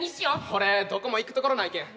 俺どこも行くところないけん。